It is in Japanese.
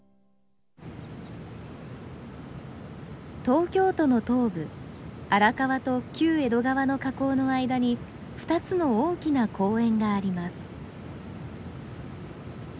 東京都の東部荒川と旧江戸川の河口の間に２つの大きな公園があります。